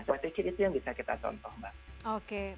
sekuat dikit itu yang bisa kita contoh mbak